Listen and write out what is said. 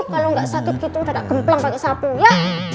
kalau gak sakit gitu udah gak gemplang kayak sapu ya